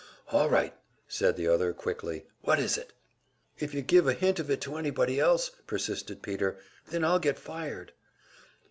"All right!" said the other, quickly. "What is it?" "If you give a hint of it to anybody else," persisted Peter, "then I'll get fired."